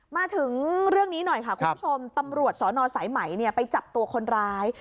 มาถึงเรื่องนี้หน่อยค่ะคุณผู้ชมตำรวจสนสายไหมไปจับตัวคนร้าย